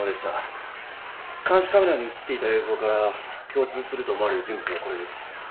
監視カメラに映っていた映像から共通すると思われる人物がこれです。